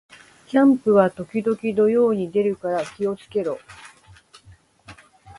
ジャンプは時々土曜に出るから気を付けろ